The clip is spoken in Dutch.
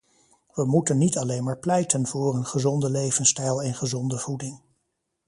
We moeten niet alleen maar pleiten voor een gezonde levensstijl en gezonde voeding.